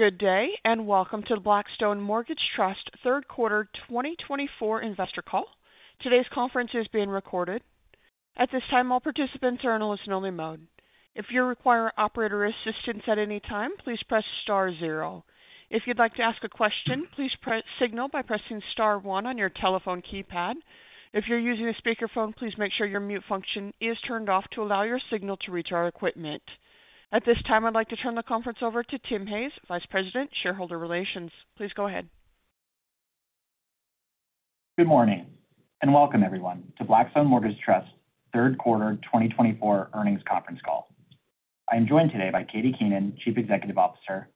Good day, and welcome to the Blackstone Mortgage Trust third quarter twenty twenty-four investor call. Today's conference is being recorded. At this time, all participants are in a listen-only mode. If you require operator assistance at any time, please press star zero. If you'd like to ask a question, please press star one on your telephone keypad. If you're using a speakerphone, please make sure your mute function is turned off to allow your signal to reach our equipment. At this time, I'd like to turn the conference over to Tim Hayes, Vice President, Shareholder Relations. Please go ahead. Good morning, and welcome, everyone, to Blackstone Mortgage Trust's third quarter twenty twenty-four earnings conference call. I am joined today by Katie Keenan, Chief Executive Officer,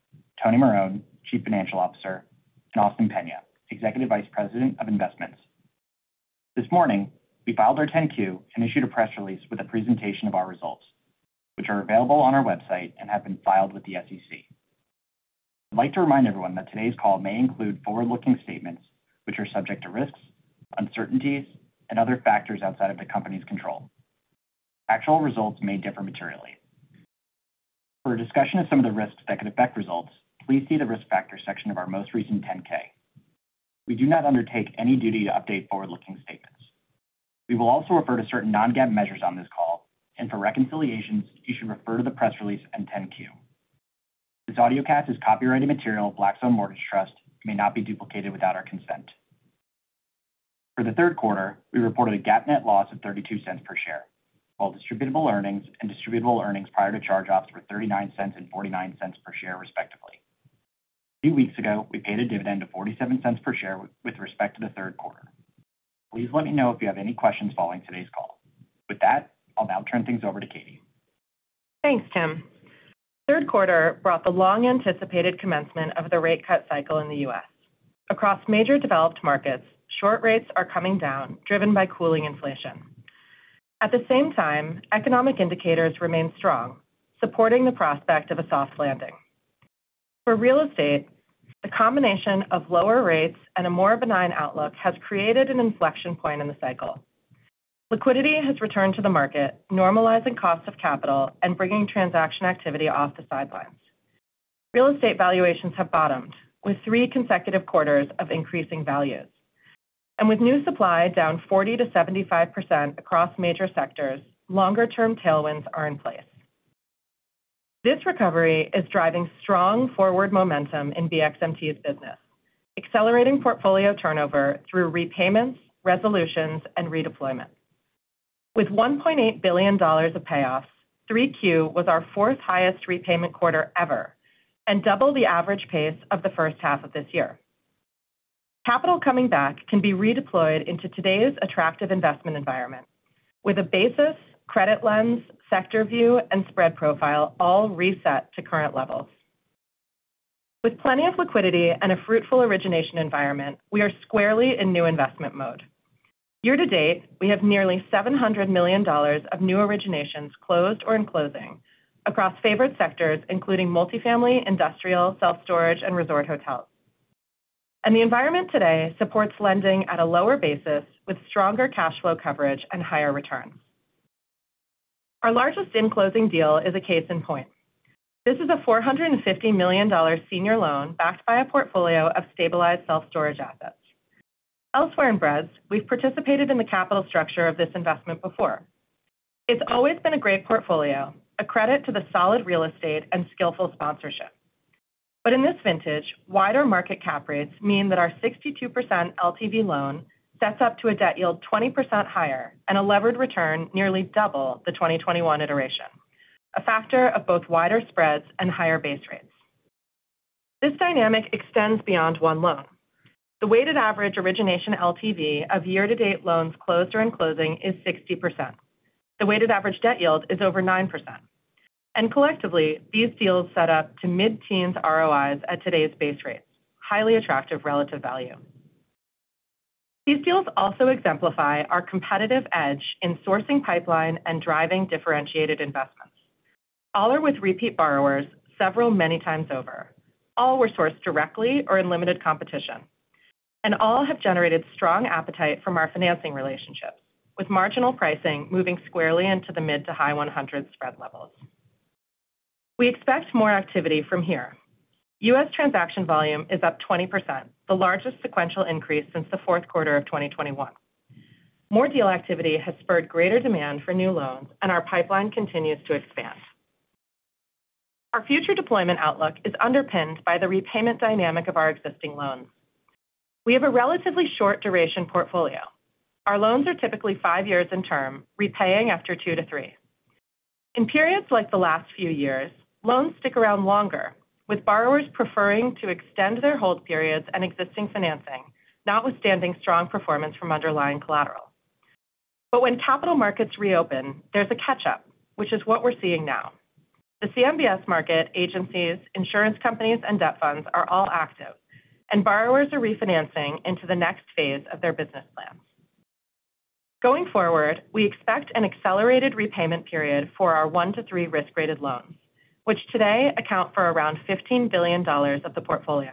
Tony Marone, Chief Financial Officer, and Austin Peña, Executive Vice President of Investments. This morning, we filed our 10-Q and issued a press release with a presentation of our results, which are available on our website and have been filed with the SEC. I'd like to remind everyone that today's call may include forward-looking statements, which are subject to risks, uncertainties, and other factors outside of the company's control. Actual results may differ materially. For a discussion of some of the risks that could affect results, please see the Risk Factors section of our most recent 10-K. We do not undertake any duty to update forward-looking statements. We will also refer to certain non-GAAP measures on this call, and for reconciliations, you should refer to the press release and 10-Q. This audiocast is copyrighted material of Blackstone Mortgage Trust, may not be duplicated without our consent. For the third quarter, we reported a GAAP net loss of $0.32 per share, while distributable earnings and distributable earnings prior to charge-offs were $0.39 and $0.49 per share, respectively. A few weeks ago, we paid a dividend of $0.47 per share with respect to the third quarter. Please let me know if you have any questions following today's call. With that, I'll now turn things over to Katie. Thanks, Tim. Third quarter brought the long-anticipated commencement of the rate cut cycle in the U.S. Across major developed markets, short rates are coming down, driven by cooling inflation. At the same time, economic indicators remain strong, supporting the prospect of a soft landing. For real estate, the combination of lower rates and a more benign outlook has created an inflection point in the cycle. Liquidity has returned to the market, normalizing costs of capital and bringing transaction activity off the sidelines. Real estate valuations have bottomed, with three consecutive quarters of increasing values, and with new supply down 40%-75% across major sectors, longer-term tailwinds are in place. This recovery is driving strong forward momentum in BXMT's business, accelerating portfolio turnover through repayments, resolutions, and redeployments. With $1.8 billion of payoffs, 3Q was our fourth highest repayment quarter ever and double the average pace of the first half of this year. Capital coming back can be redeployed into today's attractive investment environment, with a basis, credit lens, sector view, and spread profile all reset to current levels. With plenty of liquidity and a fruitful origination environment, we are squarely in new investment mode. Year to date, we have nearly $700 million of new originations closed or in closing across favored sectors, including multifamily, industrial, self-storage, and resort hotels, and the environment today supports lending at a lower basis with stronger cash flow coverage and higher returns. Our largest in-closing deal is a case in point. This is a $450 million senior loan backed by a portfolio of stabilized self-storage assets. Elsewhere in BREDS, we've participated in the capital structure of this investment before. It's always been a great portfolio, a credit to the solid real estate and skillful sponsorship. But in this vintage, wider market cap rates mean that our 62% LTV loan sets up to a debt yield 20% higher and a levered return nearly double the 2021 iteration, a factor of both wider spreads and higher base rates. This dynamic extends beyond one loan. The weighted average origination LTV of year-to-date loans closed or in closing is 60%. The weighted average debt yield is over 9%, and collectively, these deals set up to mid-teens ROIs at today's base rate, highly attractive relative value. These deals also exemplify our competitive edge in sourcing pipeline and driving differentiated investments. All are with repeat borrowers, several, many times over. All were sourced directly or in limited competition, and all have generated strong appetite from our financing relationships, with marginal pricing moving squarely into the mid- to high-100 spread levels. We expect more activity from here. U.S. transaction volume is up 20%, the largest sequential increase since the fourth quarter of 2021. More deal activity has spurred greater demand for new loans, and our pipeline continues to expand. Our future deployment outlook is underpinned by the repayment dynamic of our existing loans. We have a relatively short duration portfolio. Our loans are typically five years in term, repaying after two to three. In periods like the last few years, loans stick around longer, with borrowers preferring to extend their hold periods and existing financing, notwithstanding strong performance from underlying collateral. But when capital markets reopen, there's a catch-up, which is what we're seeing now. The CMBS market, agencies, insurance companies, and debt funds are all active, and borrowers are refinancing into the next phase of their business plan. Going forward, we expect an accelerated repayment period for our one to three risk-graded loans, which today account for around $15 billion of the portfolio.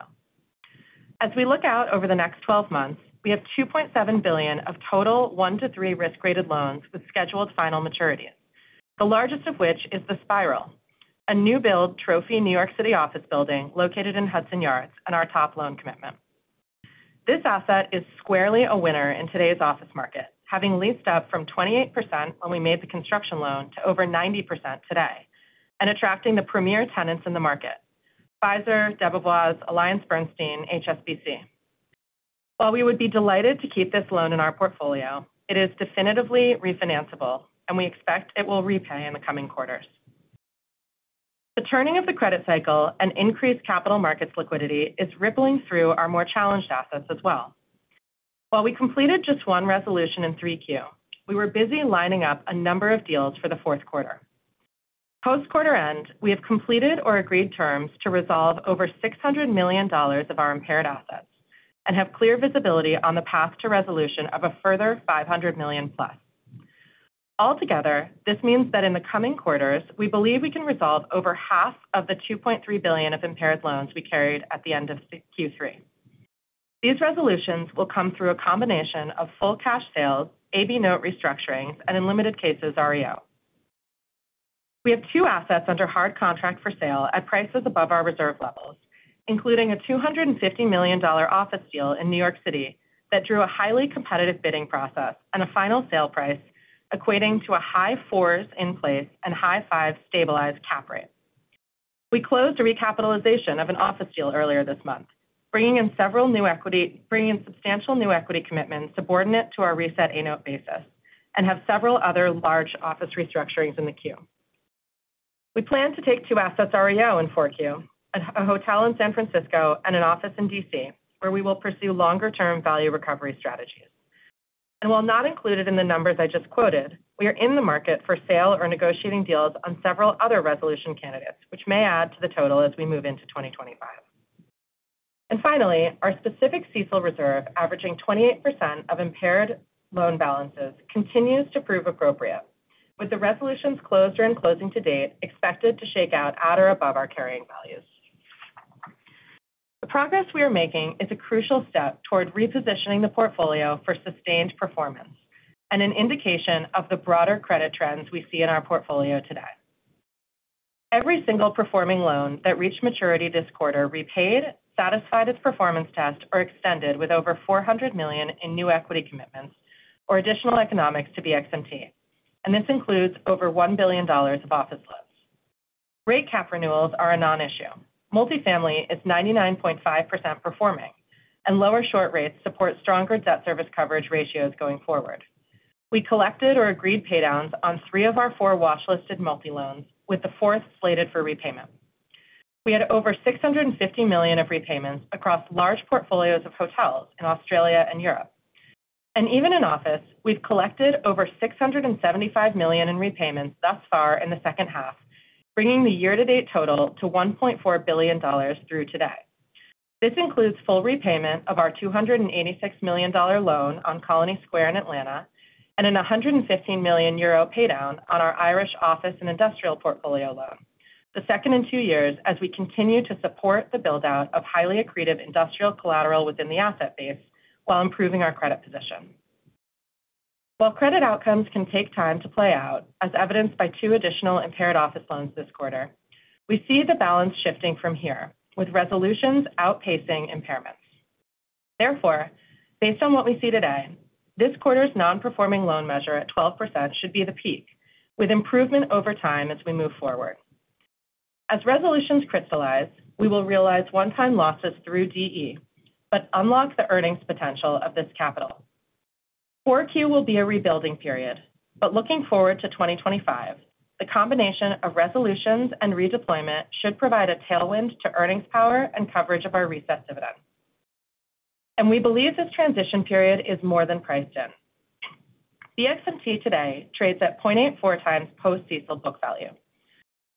As we look out over the next twelve months, we have $2.7 billion of total one to three risk-graded loans with scheduled final maturities. The largest of which is The Spiral, a new build trophy New York City office building located in Hudson Yards and our top loan commitment. This asset is squarely a winner in today's office market, having leased up from 28% when we made the construction loan to over 90% today, and attracting the premier tenants in the market, Pfizer, Debevoise, AllianceBernstein, HSBC. While we would be delighted to keep this loan in our portfolio, it is definitively refinancable, and we expect it will repay in the coming quarters. The turning of the credit cycle and increased capital markets liquidity is rippling through our more challenged assets as well. While we completed just one resolution in Q3, we were busy lining up a number of deals for the fourth quarter. Post-quarter end, we have completed or agreed terms to resolve over $600 million of our impaired assets, and have clear visibility on the path to resolution of a further $500 million plus. Altogether, this means that in the coming quarters, we believe we can resolve over half of the $2.3 billion of impaired loans we carried at the end of Q3. These resolutions will come through a combination of full cash sales, A/B note restructurings, and in limited cases, REO. We have two assets under hard contract for sale at prices above our reserve levels, including a $250 million office deal in New York City, that drew a highly competitive bidding process and a final sale price equating to a high fours in place and high fives stabilized cap rate. We closed a recapitalization of an office deal earlier this month, bringing in substantial new equity commitments subordinate to our reset A note basis, and have several other large office restructurings in the queue. We plan to take two assets REO in 4Q, a hotel in San Francisco and an office in DC, where we will pursue longer-term value recovery strategies. While not included in the numbers I just quoted, we are in the market for sale or negotiating deals on several other resolution candidates, which may add to the total as we move into twenty twenty-five. Finally, our specific CECL reserve, averaging 28% of impaired loan balances, continues to prove appropriate, with the resolutions closed or in closing to date, expected to shake out at or above our carrying values. The progress we are making is a crucial step toward repositioning the portfolio for sustained performance, and an indication of the broader credit trends we see in our portfolio today. Every single performing loan that reached maturity this quarter repaid, satisfied its performance test, or extended with over $400 million in new equity commitments or additional economics to BXMT, and this includes over $1 billion of office loans. Rate cap renewals are a non-issue. Multifamily is 99.5% performing, and lower short rates support stronger debt service coverage ratios going forward. We collected or agreed pay downs on three of our four watchlisted multi loans, with the fourth slated for repayment. We had over $650 million of repayments across large portfolios of hotels in Australia and Europe, and even in office, we've collected over $675 million in repayments thus far in the second half, bringing the year-to-date total to $1.4 billion through today. This includes full repayment of our $286 million loan on Colony Square in Atlanta, and a 115 million euro pay down on our Irish office and industrial portfolio loan. The second in two years, as we continue to support the build-out of highly accretive industrial collateral within the asset base, while improving our credit position. While credit outcomes can take time to play out, as evidenced by two additional impaired office loans this quarter, we see the balance shifting from here, with resolutions outpacing impairments. Therefore, based on what we see today, this quarter's non-performing loan measure at 12% should be the peak, with improvement over time as we move forward. As resolutions crystallize, we will realize one-time losses through DE, but unlock the earnings potential of this capital. 4Q will be a rebuilding period, but looking forward to 2025, the combination of resolutions and redeployment should provide a tailwind to earnings power and coverage of our reset dividend. And we believe this transition period is more than priced in. The BXMT today trades at 0.84 times post-CECL book value.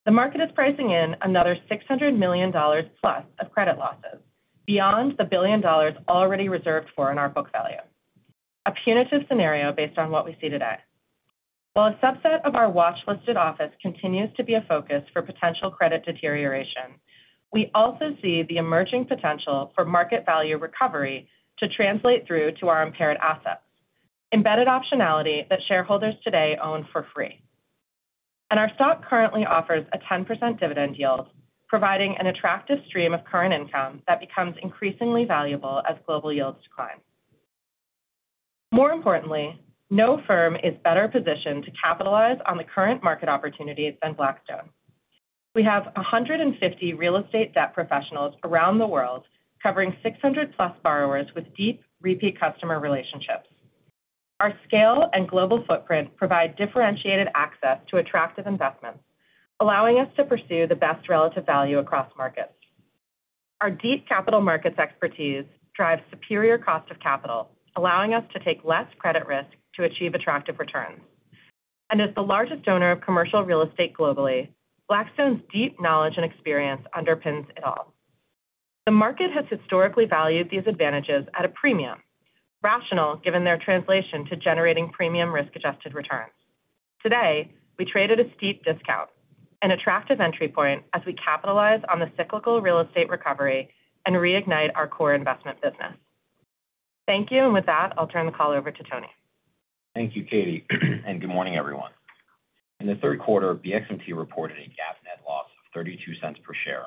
The market is pricing in another $600 million plus of credit losses, beyond the $1 billion already reserved for in our book value. A punitive scenario based on what we see today. While a subset of our watchlisted office continues to be a focus for potential credit deterioration, we also see the emerging potential for market value recovery to translate through to our impaired assets, embedded optionality that shareholders today own for free. Our stock currently offers a 10% dividend yield, providing an attractive stream of current income that becomes increasingly valuable as global yields decline. More importantly, no firm is better positioned to capitalize on the current market opportunities than Blackstone. We have 150 real estate debt professionals around the world, covering 600-plus borrowers with deep repeat customer relationships. Our scale and global footprint provide differentiated access to attractive investments, allowing us to pursue the best relative value across markets. Our deep capital markets expertise drives superior cost of capital, allowing us to take less credit risk to achieve attractive returns, and as the largest owner of commercial real estate globally, Blackstone's deep knowledge and experience underpins it all. The market has historically valued these advantages at a premium, rationale given their translation to generating premium risk-adjusted returns. Today, we traded at a steep discount, an attractive entry point as we capitalize on the cyclical real estate recovery and reignite our core investment business. Thank you, and with that, I'll turn the call over to Anthony. Thank you, Katie, and good morning, everyone. In the third quarter, BXMT reported a GAAP net loss of $0.32 per share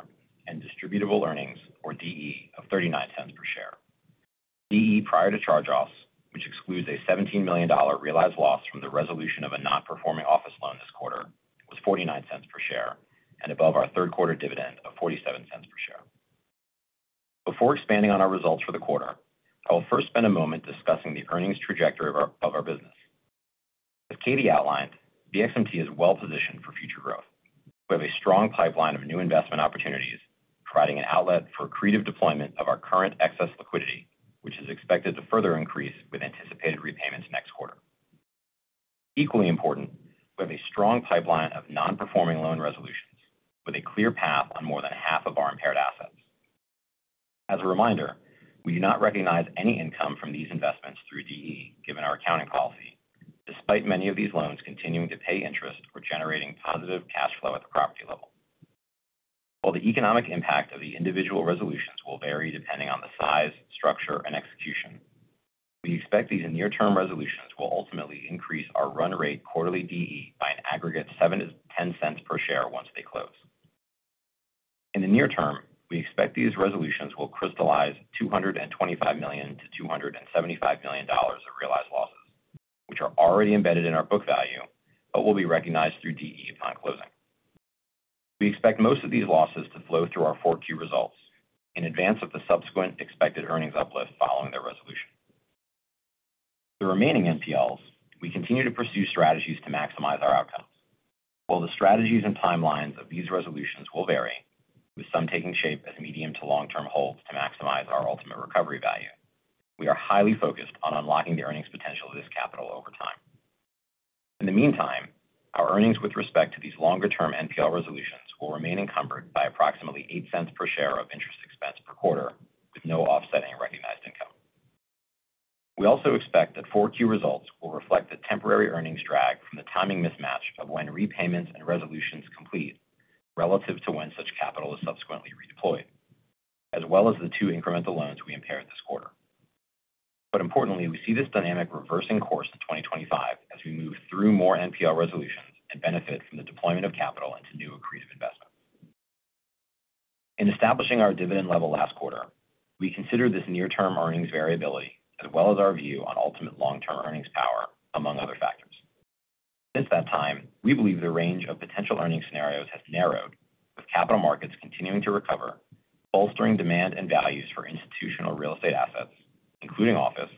and distributable earnings, or DE, of $0.39 per share. DE, prior to charge-offs, which excludes a $17 million realized loss from the resolution of a non-performing office loan this quarter, was $0.49 per share and above our third quarter dividend of $0.47 per share. Before expanding on our results for the quarter, I will first spend a moment discussing the earnings trajectory of our business. As Katie outlined, BXMT is well positioned for future growth. We have a strong pipeline of new investment opportunities, providing an outlet for accretive deployment of our current excess liquidity, which is expected to further increase with anticipated repayments next quarter. Equally important, we have a strong pipeline of non-performing loan resolutions with a clear path on more than half of our impaired assets. As a reminder, we do not recognize any income from these investments through DE, given our accounting policy, despite many of these loans continuing to pay interest or generating positive cash flow at the property level. While the economic impact of the individual resolutions will vary depending on the size, structure, and execution, we expect these near-term resolutions will ultimately increase our run rate quarterly DE by an aggregate $0.07-$0.10 per share once they close. In the near term, we expect these resolutions will crystallize $225 million-$275 million of realized losses, which are already embedded in our book value, but will be recognized through DE upon closing. We expect most of these losses to flow through our 4Q results in advance of the subsequent expected earnings uplift following their resolution. The remaining NPLs, we continue to pursue strategies to maximize our outcomes. While the strategies and timelines of these resolutions will vary, with some taking shape as medium to long-term holds to maximize our ultimate recovery value, we are highly focused on unlocking the earnings potential of this capital over time. In the meantime, our earnings with respect to these longer-term NPL resolutions will remain encumbered by approximately $0.08 per share of interest expense per quarter, with no offsetting recognized income. We also expect that 4Q results will reflect a temporary earnings drag from the timing mismatch of when repayments and resolutions complete relative to when such capital is subsequently redeployed, as well as the two incremental loans we impaired this quarter. But importantly, we see this dynamic reversing course to 2025 as we move through more NPL resolutions and benefit from the deployment of capital into new accretive investments. In establishing our dividend level last quarter, we considered this near-term earnings variability, as well as our view on ultimate long-term earnings power, among other factors. Since that time, we believe the range of potential earnings scenarios has narrowed, with capital markets continuing to recover, bolstering demand and values for institutional real estate assets, including office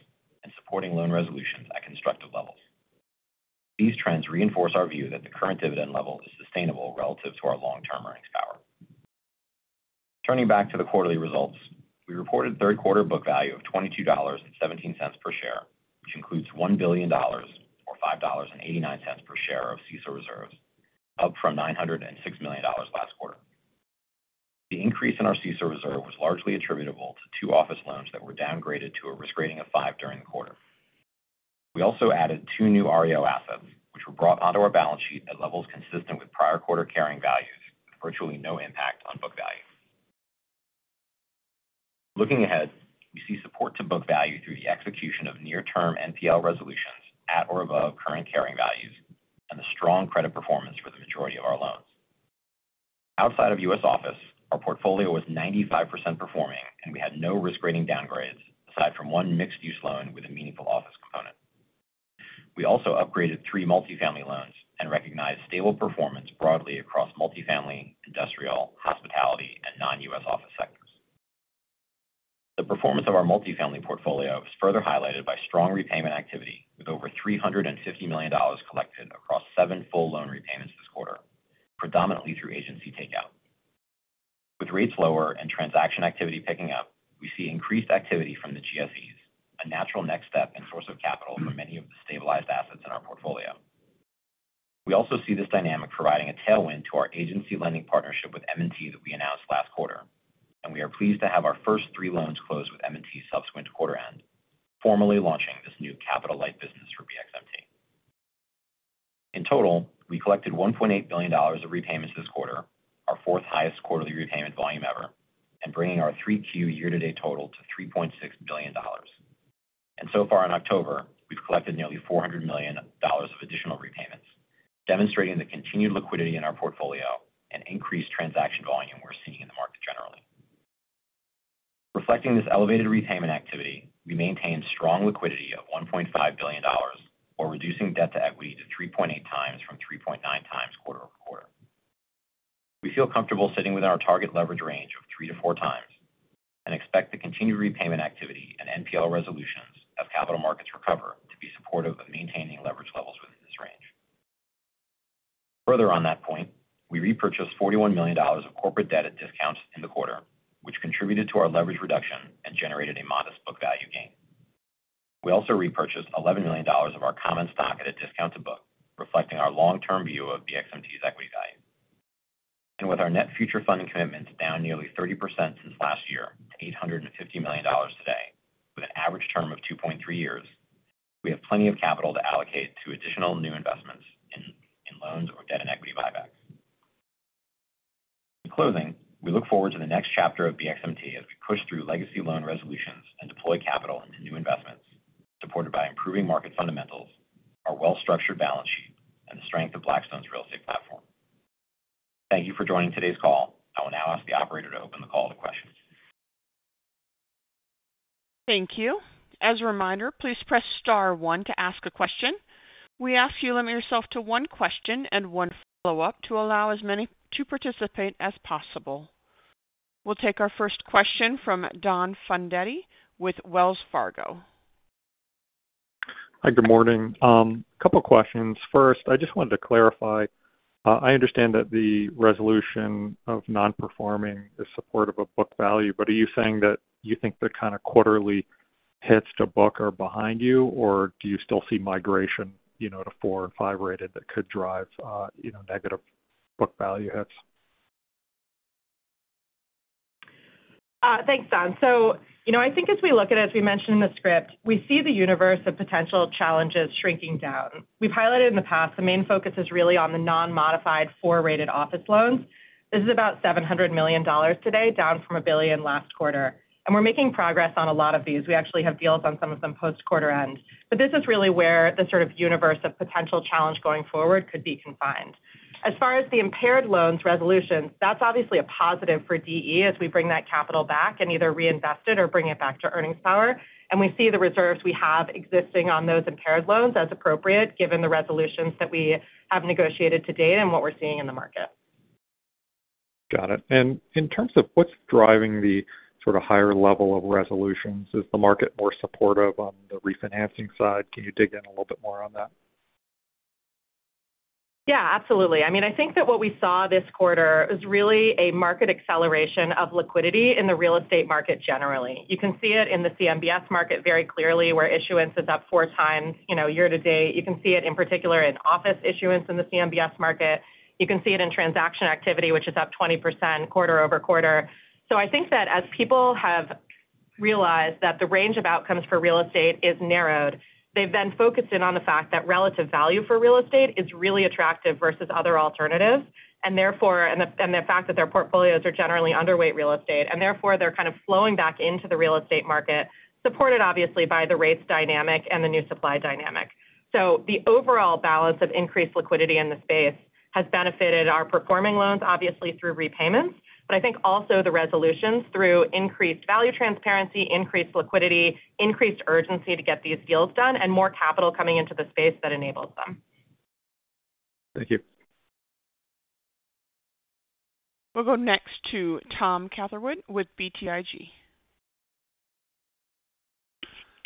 and supporting loan resolutions at constructive levels. These trends reinforce our view that the current dividend level is sustainable relative to our long-term earnings power. Turning back to the quarterly results, we reported third quarter book value of $22.17 per share, which includes $1 billion, or $5.89 per share of CECL reserves, up from $906 million last quarter. The increase in our CECL reserve was largely attributable to two office loans that were downgraded to a risk rating of five during the quarter. We also added two new REO assets, which were brought onto our balance sheet at levels consistent with prior quarter carrying values, with virtually no impact on book value. Looking ahead, we see support to book value through the execution of near-term NPL resolutions at or above current carrying values and the strong credit performance for the majority of our loans. Outside of U.S. office, our portfolio was 95% performing, and we had no risk rating downgrades, aside from one mixed-use loan with a meaningful office component. We also upgraded three multifamily loans and recognized stable performance broadly across multifamily, industrial, hospitality, and non-U.S. office sectors. The performance of our multifamily portfolio was further highlighted by strong repayment activity, with over $350 million collected across seven full loan repayments this quarter, predominantly through agency takeout. With rates lower and transaction activity picking up, we see increased activity from the GSEs, a natural next step and source of capital for many of the stabilized assets in our portfolio. We also see this dynamic providing a tailwind to our agency lending partnership with M&T that we announced last quarter, and we are pleased to have our first three loans closed with M&T subsequent to quarter end, formally launching this new capital light business for BXMT. In total, we collected $1.8 billion of repayments this quarter, our fourth highest quarterly repayment volume ever, and bringing our 3Q year-to-date total to $3.6 billion. So far in October, we've collected nearly $400 million of additional repayments, demonstrating the continued liquidity in our portfolio and increased transaction volume we're seeing in the market generally. Reflecting this elevated repayment activity, we maintained strong liquidity of $1.5 billion, while reducing debt to equity to 3.8 times from 3.9 times quarter over quarter. We feel comfortable sitting within our target leverage range of three to four times and expect the continued repayment activity and NPL resolutions as capital markets recover to be supportive of maintaining leverage levels within this range. Further on that point, we repurchased $41 million of corporate debt at discounts in the quarter, which contributed to our leverage reduction and generated a modest book value gain. We also repurchased $11 million of our common stock at a discount to book, reflecting our long-term view of BXMT's equity value… And with our net future funding commitments down nearly 30% since last year, to $850 million today, with an average term of 2.3 years, we have plenty of capital to allocate to additional new investments in loans or debt and equity buybacks. In closing, we look forward to the next chapter of BXMT as we push through legacy loan resolutions and deploy capital into new investments, supported by improving market fundamentals, our well-structured balance sheet, and the strength of Blackstone's real estate platform. Thank you for joining today's call. I will now ask the operator to open the call to questions. Thank you. As a reminder, please press star one to ask a question. We ask you limit yourself to one question and one follow-up, to allow as many to participate as possible. We'll take our first question from Donald Fandetti with Wells Fargo. Hi, good morning. Couple questions. First, I just wanted to clarify. I understand that the resolution of non-performing is supportive of book value, but are you saying that you think the kind of quarterly hits to book are behind you, or do you still see migration, you know, to four and five rated that could drive, you know, negative book value hits? Thanks, Donald. So, you know, I think as we look at it, as we mentioned in the script, we see the universe of potential challenges shrinking down. We've highlighted in the past, the main focus is really on the non-modified four-rated office loans. This is about $700 million today, down from $1 billion last quarter. And we're making progress on a lot of these. We actually have deals on some of them post-quarter end. But this is really where the sort of universe of potential challenge going forward could be confined. As far as the impaired loans resolutions, that's obviously a positive for DE as we bring that capital back and either reinvest it or bring it back to earnings power. We see the reserves we have existing on those impaired loans as appropriate, given the resolutions that we have negotiated to date and what we're seeing in the market. Got it. In terms of what's driving the sort of higher level of resolutions, is the market more supportive on the refinancing side? Can you dig in a little bit more on that? Yeah, absolutely. I mean, I think that what we saw this quarter is really a market acceleration of liquidity in the real estate market generally. You can see it in the CMBS market very clearly, where issuance is up four times, you know, year to date. You can see it in particular in office issuance in the CMBS market. You can see it in transaction activity, which is up 20% quarter over quarter. So I think that as people have realized that the range of outcomes for real estate is narrowed, they've then focused in on the fact that relative value for real estate is really attractive versus other alternatives, and therefore, the fact that their portfolios are generally underweight real estate, and therefore, they're kind of flowing back into the real estate market, supported obviously by the rates dynamic and the new supply dynamic. So the overall balance of increased liquidity in the space has benefited our performing loans, obviously through repayments, but I think also the resolutions through increased value transparency, increased liquidity, increased urgency to get these deals done, and more capital coming into the space that enables them. Thank you. We'll go next to Thomas Catherwood with BTIG.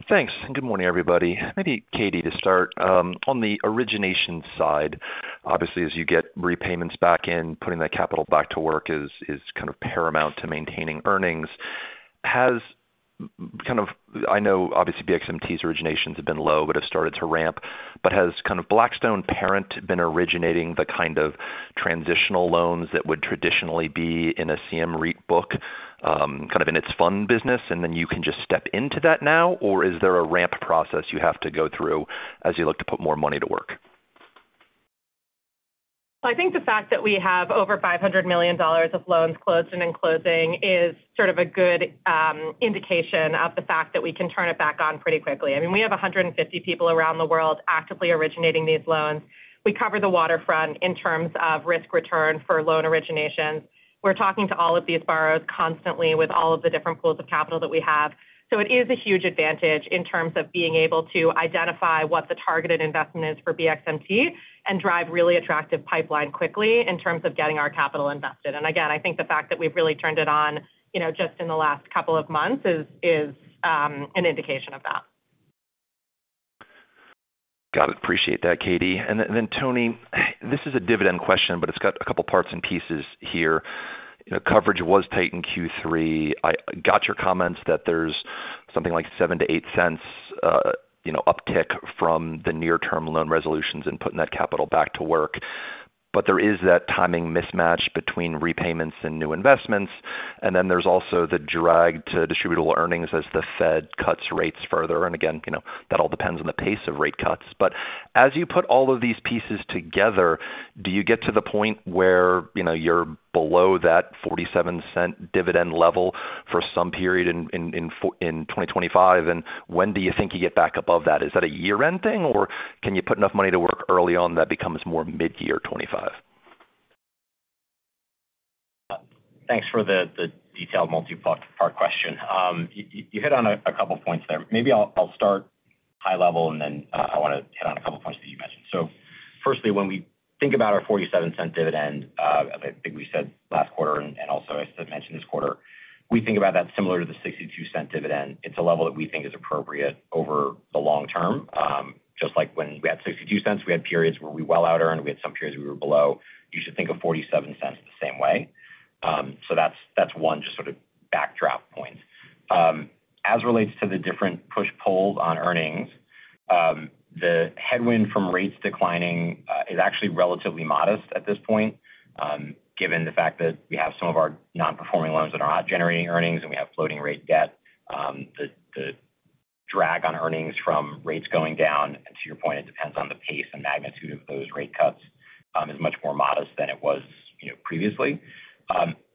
Thanks, and good morning, everybody. Maybe Katie, to start, on the origination side, obviously, as you get repayments back in, putting that capital back to work is kind of paramount to maintaining earnings. I know obviously, BXMT's originations have been low but have started to ramp, but has kind of Blackstone parent been originating the kind of transitional loans that would traditionally be in a CM REIT book, kind of in its fund business, and then you can just step into that now? Or is there a ramp process you have to go through as you look to put more money to work? I think the fact that we have over $500 million of loans closed and in closing is sort of a good indication of the fact that we can turn it back on pretty quickly. I mean, we have 150 people around the world actively originating these loans. We cover the waterfront in terms of risk return for loan originations. We're talking to all of these borrowers constantly with all of the different pools of capital that we have. So it is a huge advantage in terms of being able to identify what the targeted investment is for BXMT and drive really attractive pipeline quickly in terms of getting our capital invested. And again, I think the fact that we've really turned it on, you know, just in the last couple of months is an indication of that. Got it. Appreciate that, Katie. And then Anthony, this is a dividend question, but it's got a couple parts and pieces here. You know, coverage was tight in Q3. I got your comments that there's something like $0.07-$0.08 uptick from the near-term loan resolutions and putting that capital back to work. But there is that timing mismatch between repayments and new investments, and then there's also the drag to distributable earnings as the Fed cuts rates further. And again, you know, that all depends on the pace of rate cuts. But as you put all of these pieces together, do you get to the point where, you know, you're below that $0.47 dividend level for some period in twenty twenty-five? And when do you think you get back above that? Is that a year-end thing, or can you put enough money to work early on that becomes more mid-year 2025? Thanks for the detailed multi-part question. You hit on a couple points there. Maybe I'll start high level, and then I want to hit on a couple points that you mentioned. Firstly, when we think about our $0.47 dividend, I think we said last quarter and also as I mentioned this quarter, we think about that similar to the $0.62 dividend. It's a level that we think is appropriate over the long term. Just like when we had $0.62, we had periods where we well out-earned, we had some periods we were below. You should think of $0.47 the same way. So that's one. As relates to the different push-pulls on earnings, the headwind from rates declining is actually relatively modest at this point, given the fact that we have some of our non-performing loans that are not generating earnings, and we have floating rate debt. The drag on earnings from rates going down, and to your point, it depends on the pace and magnitude of those rate cuts, is much more modest than it was, you know, previously.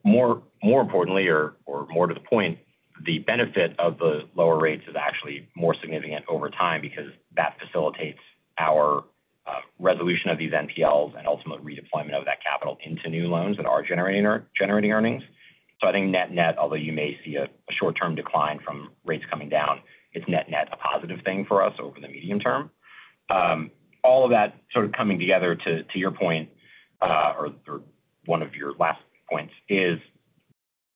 More importantly or more to the point, the benefit of the lower rates is actually more significant over time because that facilitates our resolution of these NPLs and ultimate redeployment of that capital into new loans that are generating earnings. So I think net-net, although you may see a short-term decline from rates coming down, it's net-net, a positive thing for us over the medium term. All of that sort of coming together to your point, or one of your last points, is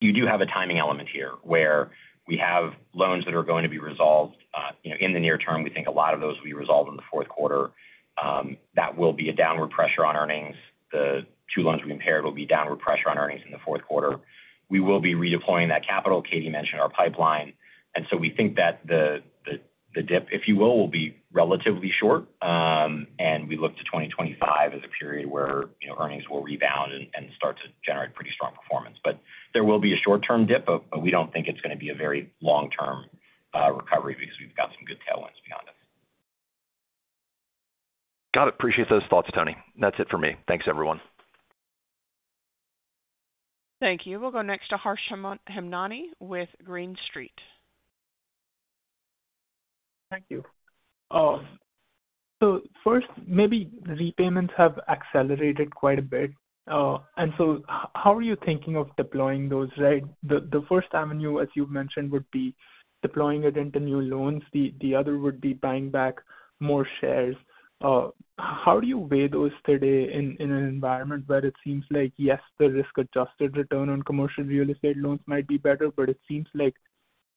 you do have a timing element here, where we have loans that are going to be resolved, you know, in the near term. We think a lot of those will be resolved in the fourth quarter. That will be a downward pressure on earnings. The two loans we compared will be downward pressure on earnings in the fourth quarter. We will be redeploying that capital. Katie mentioned our pipeline, and so we think that the dip, if you will, will be relatively short. And we look to 2025 as a period where, you know, earnings will rebound and start to generate pretty strong performance. But there will be a short-term dip, but we don't think it's gonna be a very long-term recovery because we've got some good tailwinds beyond us. Got it. Appreciate those thoughts, Anthony. That's it for me. Thanks, everyone. Thank you. We'll go next to Harsh Hemnani with Green Street. Thank you, so first, maybe repayments have accelerated quite a bit, and so how are you thinking of deploying those, right? The first avenue, as you've mentioned, would be deploying it into new loans. The other would be buying back more shares. How do you weigh those today in an environment where it seems like, yes, the risk-adjusted return on commercial real estate loans might be better, but it seems like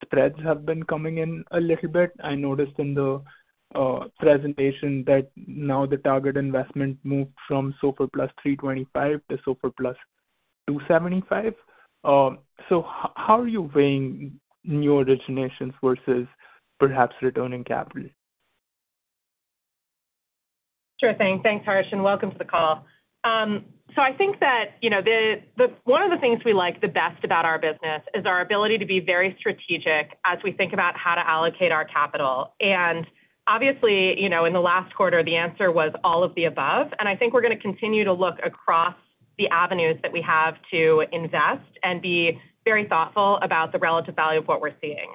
spreads have been coming in a little bit? I noticed in the presentation that now the target investment moved from SOFR plus three twenty-five to SOFR plus two seventy-five, so how are you weighing new originations versus perhaps returning capital? Sure thing. Thanks, Harsh, and welcome to the call. So I think that, you know, the one of the things we like the best about our business is our ability to be very strategic as we think about how to allocate our capital. And obviously, you know, in the last quarter, the answer was all of the above. And I think we're gonna continue to look across the avenues that we have to invest and be very thoughtful about the relative value of what we're seeing.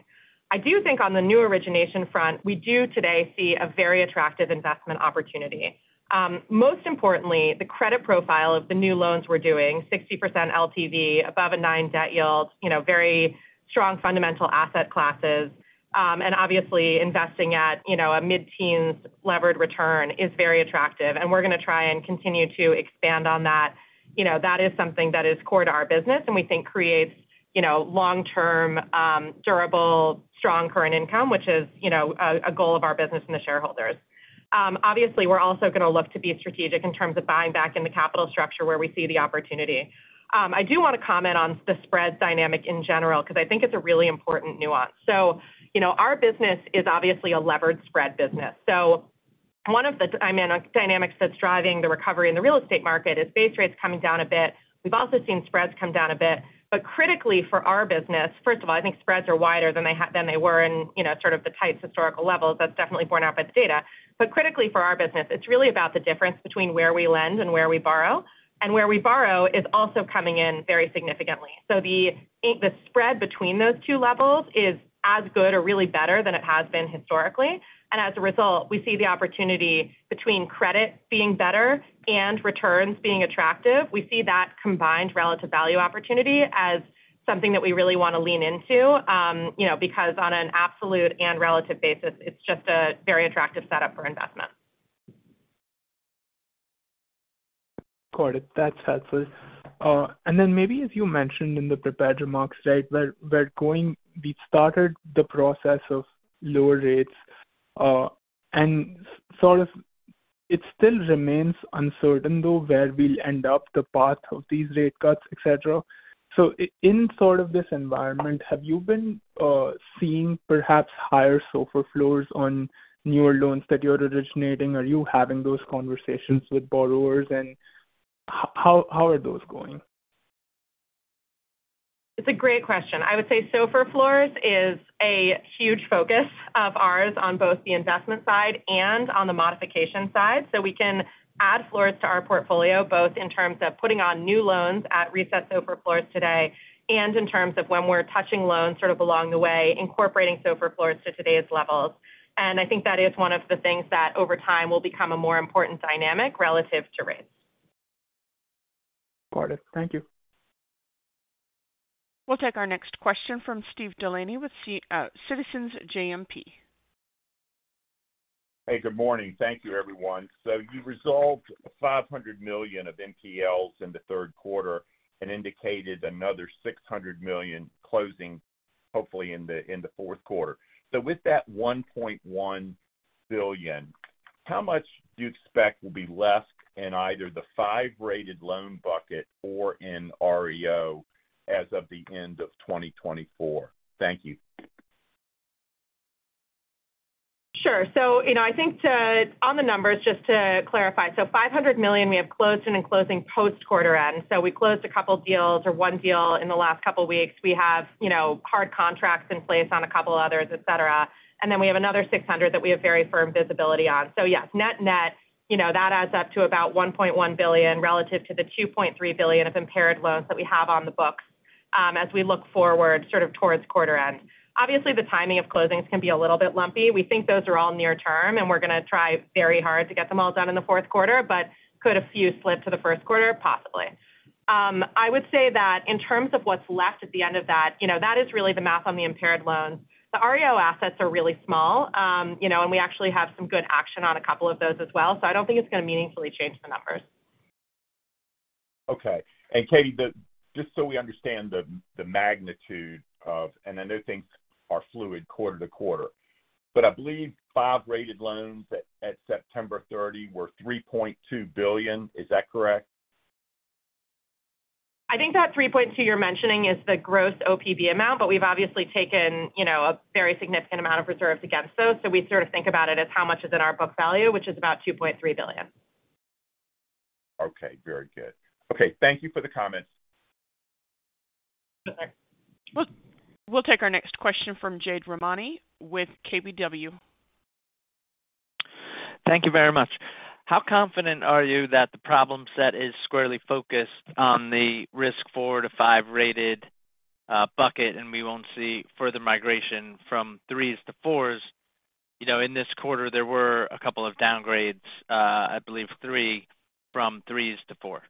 I do think on the new origination front, we do today see a very attractive investment opportunity. Most importantly, the credit profile of the new loans we're doing, 60% LTV, above 9% debt yield, you know, very strong fundamental asset classes. Obviously, investing at, you know, a mid-teens levered return is very attractive, and we're gonna try and continue to expand on that. You know, that is something that is core to our business, and we think creates, you know, long-term, durable, strong current income, which is, you know, a goal of our business and the shareholders. Obviously, we're also gonna look to be strategic in terms of buying back in the capital structure where we see the opportunity. I do want to comment on the spread dynamic in general, because I think it's a really important nuance, so you know, our business is obviously a levered spread business, so one of the, I mean, dynamics that's driving the recovery in the real estate market is base rates coming down a bit. We've also seen spreads come down a bit, but critically for our business, first of all, I think spreads are wider than they were in, you know, sort of the tight historical levels. That's definitely borne out by the data. But critically for our business, it's really about the difference between where we lend and where we borrow, and where we borrow is also coming in very significantly. So the, I think, the spread between those two levels is as good or really better than it has been historically. And as a result, we see the opportunity between credit being better and returns being attractive. We see that combined relative value opportunity as something that we really want to lean into, you know, because on an absolute and relative basis, it's just a very attractive setup for investment. Got it. That's helpful. And then maybe as you mentioned in the prepared remarks, right, we're going. We've started the process of lower rates, and sort of it still remains uncertain, though, where we'll end up the path of these rate cuts, et cetera. So in sort of this environment, have you been seeing perhaps higher SOFR floors on newer loans that you're originating? Are you having those conversations with borrowers, and how are those going? It's a great question. I would say SOFR floors is a huge focus of ours on both the investment side and on the modification side, so we can add floors to our portfolio, both in terms of putting on new loans at reset SOFR floors today, and in terms of when we're touching loans sort of along the way, incorporating SOFR floors to today's levels, and I think that is one of the things that over time will become a more important dynamic relative to rates. Got it. Thank you. We'll take our next question from Steven Delaney with Citizens JMP. Hey, good morning. Thank you, everyone. So you resolved $500 million of NPLs in the third quarter and indicated another $600 million closing, hopefully in the fourth quarter. So with that $1.1 billion. How much do you expect will be left in either the five-rated loan bucket or in REO as of the end of 2024? Thank you. Sure. So, you know, I think, too, on the numbers, just to clarify, so $500 million we have closed and in closing post quarter end. So we closed a couple deals or one deal in the last couple weeks. We have, you know, hard contracts in place on a couple others, et cetera. And then we have another $600 million that we have very firm visibility on. So yes, net-net, you know, that adds up to about $1.1 billion, relative to the $2.3 billion of impaired loans that we have on the books, as we look forward, sort of towards quarter end. Obviously, the timing of closings can be a little bit lumpy. We think those are all near term, and we're going to try very hard to get them all done in the fourth quarter, but could a few slip to the first quarter? Possibly. I would say that in terms of what's left at the end of that, you know, that is really the math on the impaired loans. The REO assets are really small, you know, and we actually have some good action on a couple of those as well, so I don't think it's going to meaningfully change the numbers. Okay. And Katie, the just so we understand the magnitude of, and I know things are fluid quarter to quarter, but I believe five-rated loans at September thirty were $3.2 billion. Is that correct? I think that $3.2 billion you're mentioning is the gross OPB amount, but we've obviously taken, you know, a very significant amount of reserves against those, so we sort of think about it as how much is in our book value, which is about $2.3 billion. Okay, very good. Okay, thank you for the comments. Sure, thanks. We'll take our next question from Jade Rahmani with KBW. Thank you very much. How confident are you that the problem set is squarely focused on the risk four- to five-rated bucket, and we won't see further migration from threes to fours? You know, in this quarter, there were a couple of downgrades, I believe three from threes to four.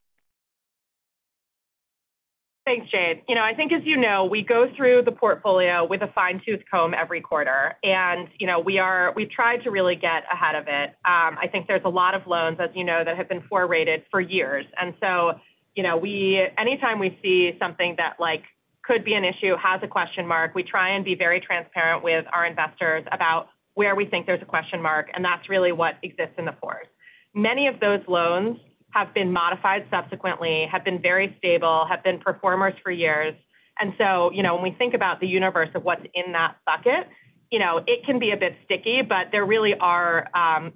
Thanks, Jade. You know, I think, as you know, we go through the portfolio with a fine-tooth comb every quarter, and you know, we are. We've tried to really get ahead of it. I think there's a lot of loans, as you know, that have been four-rated for years. And so, you know, we. Anytime we see something that, like, could be an issue, has a question mark, we try and be very transparent with our investors about where we think there's a question mark, and that's really what exists in the fours. Many of those loans have been modified subsequently, have been very stable, have been performers for years. And so, you know, when we think about the universe of what's in that bucket, you know, it can be a bit sticky, but there really are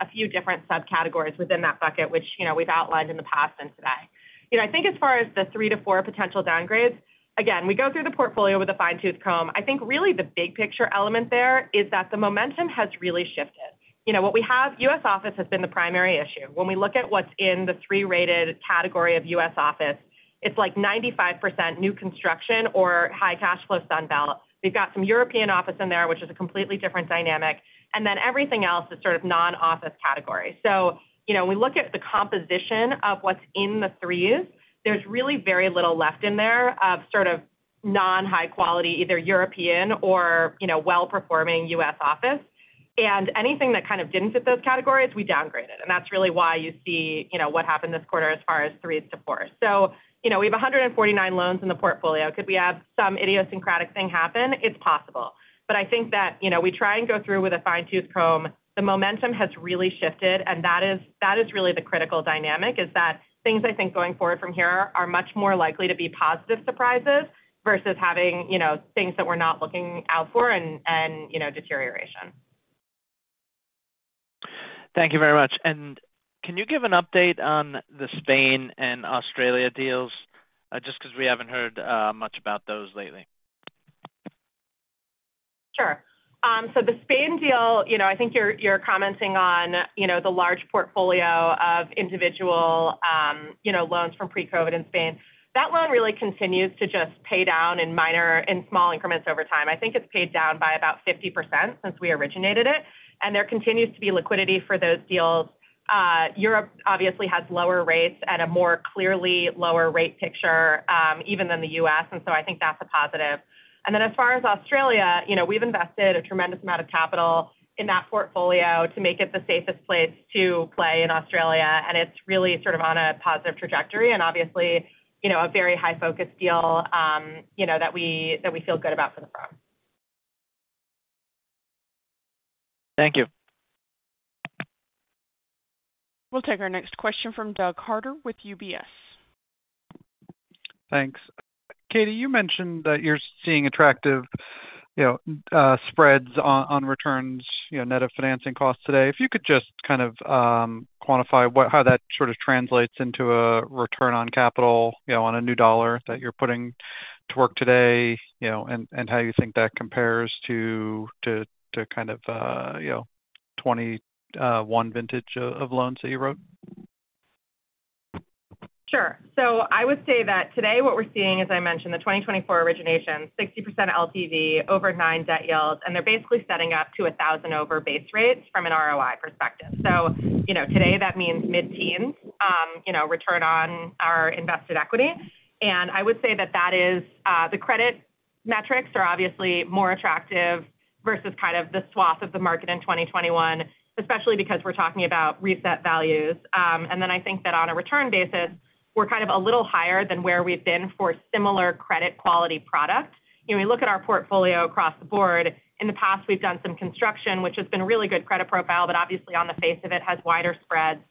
a few different subcategories within that bucket, which, you know, we've outlined in the past and today. You know, I think as far as the three to four potential downgrades, again, we go through the portfolio with a fine-tooth comb. I think really the big picture element there is that the momentum has really shifted. You know, what we have, US office has been the primary issue. When we look at what's in the three-rated category of US office, it's like 95% new construction or high cash flow on balance. We've got some European office in there, which is a completely different dynamic, and then everything else is sort of non-office category. So you know, when we look at the composition of what's in the threes, there's really very little left in there of sort of non-high quality, either European or, you know, well-performing US office. And anything that kind of didn't fit those categories, we downgraded, and that's really why you see, you know, what happened this quarter as far as threes to fours. So you know, we have 149 loans in the portfolio. Could we have some idiosyncratic thing happen? It's possible. But I think that, you know, we try and go through with a fine-tooth comb. The momentum has really shifted, and that is, that is really the critical dynamic, is that things, I think, going forward from here are much more likely to be positive surprises versus having, you know, things that we're not looking out for and, and, you know, deterioration. Thank you very much. And can you give an update on the Spain and Australia deals? Just because we haven't heard much about those lately. Sure. So the Spain deal, you know, I think you're commenting on, you know, the large portfolio of individual, you know, loans from pre-COVID in Spain. That loan really continues to just pay down in minor and small increments over time. I think it's paid down by about 50% since we originated it, and there continues to be liquidity for those deals. Europe obviously has lower rates and a more clearly lower rate picture, even than the U.S., and so I think that's a positive. And then as far as Australia, you know, we've invested a tremendous amount of capital in that portfolio to make it the safest place to play in Australia, and it's really sort of on a positive trajectory and obviously, you know, a very high-focused deal, you know, that we feel good about for the firm. Thank you. We'll take our next question from Douglas Harter with UBS. Thanks. Katie, you mentioned that you're seeing attractive, you know, spreads on returns, you know, net of financing costs today. If you could just kind of quantify what, how that sort of translates into a return on capital, you know, on a new dollar that you're putting to work today, you know, and how you think that compares to kind of, you know, 2021 vintage of loans that you wrote? Sure. So I would say that today what we're seeing, as I mentioned, the 2024 origination, 60% LTV, over nine debt yields, and they're basically setting up to a thousand over base rates from an ROI perspective. So, you know, today, that means mid-teens, you know, return on our invested equity. And I would say that that is, the credit metrics are obviously more attractive versus kind of the swath of the market in 2021, especially because we're talking about reset values. And then I think that on a return basis we're kind of a little higher than where we've been for similar credit quality products. When we look at our portfolio across the board, in the past, we've done some construction, which has been really good credit profile, but obviously on the face of it, has wider spreads.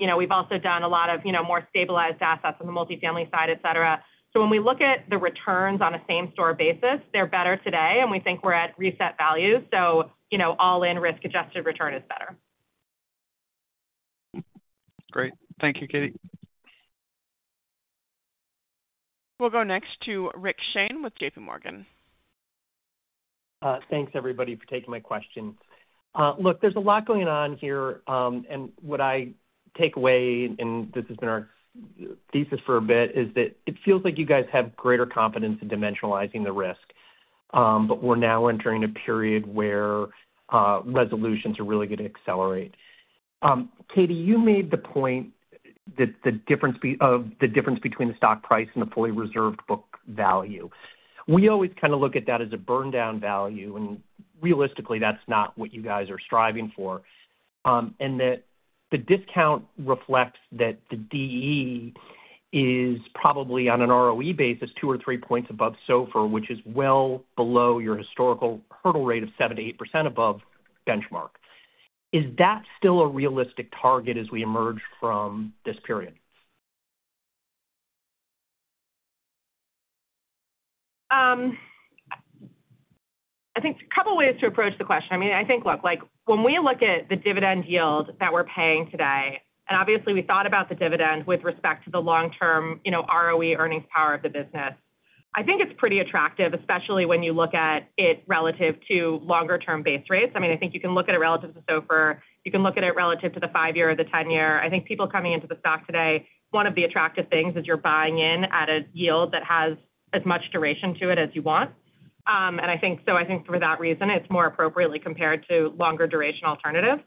You know, we've also done a lot of, you know, more stabilized assets on the multifamily side, et cetera. So when we look at the returns on a same-store basis, they're better today, and we think we're at reset value. So, you know, all-in risk-adjusted return is better. Great. Thank you, Katie. We'll go next to Richard Shane with J.P. Morgan. Thanks, everybody, for taking my question. Look, there's a lot going on here, and what I take away, and this has been our thesis for a bit, is that it feels like you guys have greater confidence in dimensionalizing the risk. But we're now entering a period where resolutions are really going to accelerate. Katie, you made the point that the difference between the stock price and the fully reserved book value. We always kind of look at that as a burn-down value, and realistically, that's not what you guys are striving for, and that the discount reflects that the DE is probably, on an ROE basis, two or three points above SOFR, which is well below your historical hurdle rate of 7%-8% above benchmark. Is that still a realistic target as we emerge from this period? I think a couple of ways to approach the question. I mean, I think, look, like, when we look at the dividend yield that we're paying today, and obviously, we thought about the dividend with respect to the long-term, you know, ROE earnings power of the business, I think it's pretty attractive, especially when you look at it relative to longer-term base rates. I mean, I think you can look at it relative to SOFR. You can look at it relative to the five year or the 10 year. I think people coming into the stock today, one of the attractive things is you're buying in at a yield that has as much duration to it as you want. And I think so I think for that reason, it's more appropriately compared to longer duration alternatives.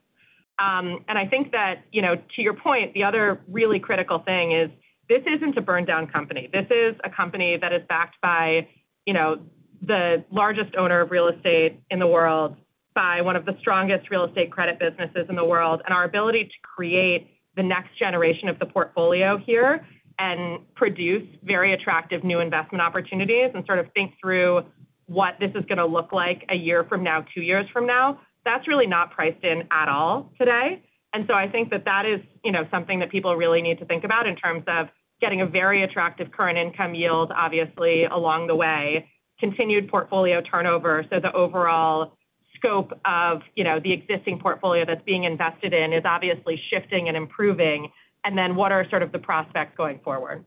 And I think that, you know, to your point, the other really critical thing is this isn't a burn down company. This is a company that is backed by, you know, the largest owner of real estate in the world, by one of the strongest real estate credit businesses in the world, and our ability to create the next generation of the portfolio here and produce very attractive new investment opportunities and sort of think through what this is going to look like a year from now, two years from now, that's really not priced in at all today. And so I think that that is, you know, something that people really need to think about in terms of getting a very attractive current income yield, obviously, along the way, continued portfolio turnover. The overall scope of, you know, the existing portfolio that's being invested in is obviously shifting and improving, and then what are sort of the prospects going forward?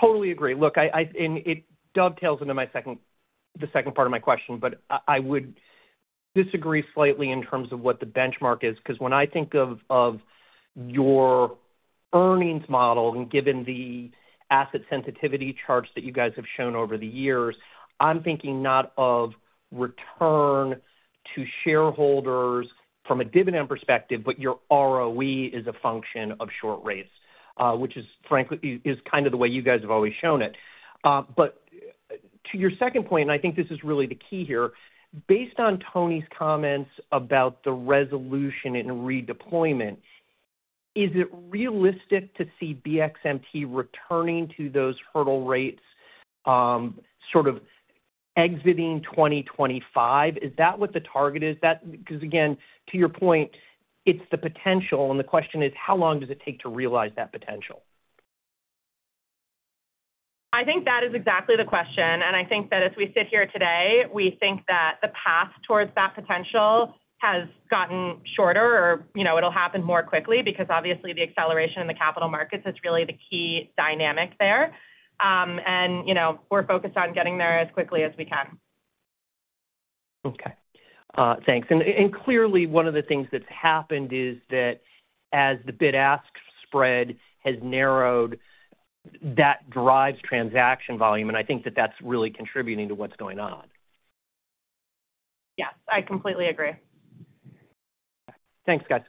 Totally agree. Look, I and it dovetails into my second, the second part of my question, but I would disagree slightly in terms of what the benchmark is, because when I think of your earnings model, and given the asset sensitivity charts that you guys have shown over the years, I'm thinking not of return to shareholders from a dividend perspective, but your ROE is a function of short rates, which is frankly kind of the way you guys have always shown it. But to your second point, and I think this is really the key here, based on Tony's comments about the resolution and redeployment, is it realistic to see BXMT returning to those hurdle rates, sort of exiting 2025? Is that what the target is? Because, again, to your point, it's the potential, and the question is: how long does it take to realize that potential? I think that is exactly the question, and I think that as we sit here today, we think that the path towards that potential has gotten shorter or, you know, it'll happen more quickly because obviously the acceleration in the capital markets is really the key dynamic there, and you know, we're focused on getting there as quickly as we can. Okay, thanks. And clearly, one of the things that's happened is that as the bid-ask spread has narrowed, that drives transaction volume, and I think that that's really contributing to what's going on. Yes, I completely agree. Thanks, guys.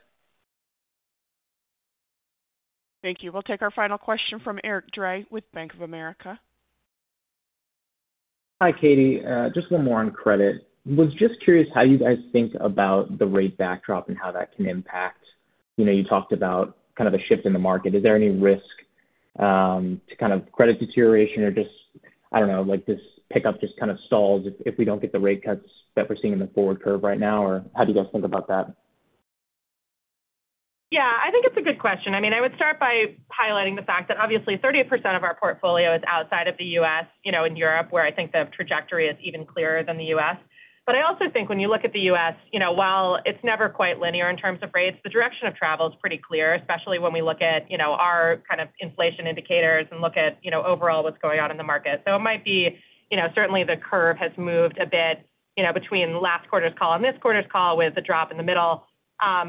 Thank you. We'll take our final question from Eric Drey with Bank of America. Hi, Katie. Just one more on credit. Was just curious how you guys think about the rate backdrop and how that can impact. You know, you talked about kind of a shift in the market. Is there any risk to kind of credit deterioration or just, I don't know, like, this pickup just kind of stalls if we don't get the rate cuts that we're seeing in the forward curve right now, or how do you guys think about that? Yeah, I think it's a good question. I mean, I would start by highlighting the fact that obviously 30% of our portfolio is outside of the U.S., you know, in Europe, where I think the trajectory is even clearer than the U.S. But I also think when you look at the U.S., you know, while it's never quite linear in terms of rates, the direction of travel is pretty clear, especially when we look at, you know, our kind of inflation indicators and look at, you know, overall what's going on in the market. So it might be, you know, certainly the curve has moved a bit, you know, between last quarter's call and this quarter's call, with the drop in the middle.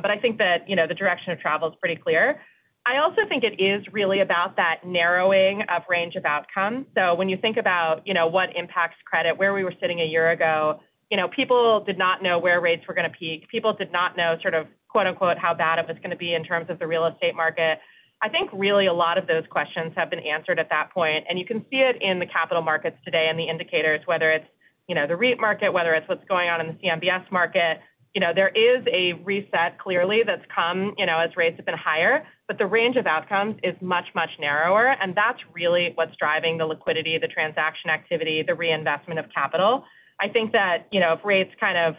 But I think that, you know, the direction of travel is pretty clear. I also think it is really about that narrowing of range of outcome. So when you think about, you know, what impacts credit, where we were sitting a year ago, you know, people did not know where rates were going to peak. People did not know sort of, quote, unquote, "how bad it was going to be" in terms of the real estate market. I think really a lot of those questions have been answered at that point, and you can see it in the capital markets today and the indicators, whether it's, you know, the REIT market, whether it's what's going on in the CMBS market, you know, there is a reset clearly that's come, you know, as rates have been higher, but the range of outcomes is much, much narrower, and that's really what's driving the liquidity, the transaction activity, the reinvestment of capital. I think that, you know, if rates kind of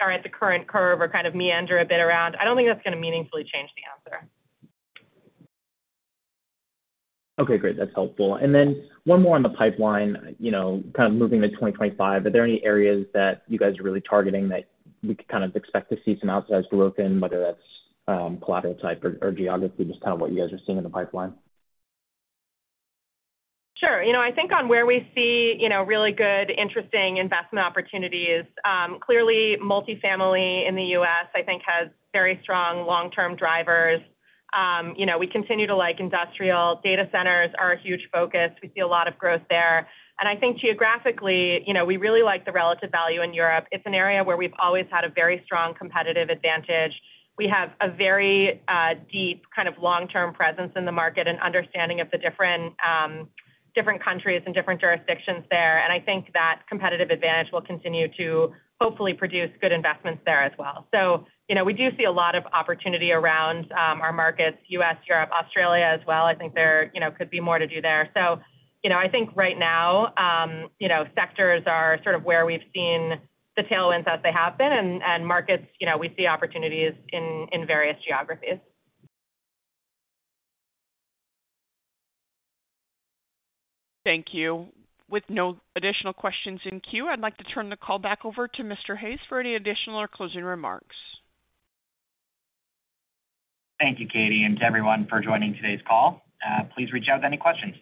are at the current curve or kind of meander a bit around, I don't think that's gonna meaningfully change the answer. Okay, great. That's helpful. And then one more on the pipeline. You know, kind of moving to twenty twenty-five, are there any areas that you guys are really targeting that we could kind of expect to see some outsized growth in, whether that's, collateral type or, or geography, just kind of what you guys are seeing in the pipeline? Sure. You know, I think on where we see, you know, really good, interesting investment opportunities, clearly, multifamily in the US, I think, has very strong long-term drivers. You know, we continue to like industrial. Data centers are a huge focus. We see a lot of growth there. And I think geographically, you know, we really like the relative value in Europe. It's an area where we've always had a very strong competitive advantage. We have a very, deep, kind of long-term presence in the market and understanding of the different countries and different jurisdictions there, and I think that competitive advantage will continue to hopefully produce good investments there as well. So you know, we do see a lot of opportunity around, our markets, US, Europe, Australia as well. I think there, you know, could be more to do there. So you know, I think right now, you know, sectors are sort of where we've seen the tailwinds as they happen, and markets, you know, we see opportunities in various geographies. Thank you. With no additional questions in queue, I'd like to turn the call back over to Mr. Hayes for any additional or closing remarks. Thank you, Katie, and to everyone for joining today's call. Please reach out with any questions.